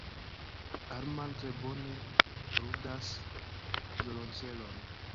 Armand tre bone ludas violonĉelon.